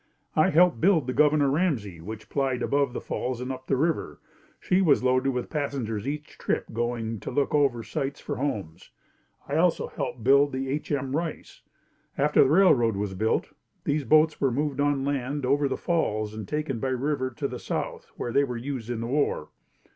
I helped build the Governor Ramsey which plied above the Falls and up the river. She was loaded with passengers each trip going to look over sites for homes. I also helped build the H. M. Rice. After the railroad was built, these boats were moved on land over the Falls and taken by river to the south where they were used in the war.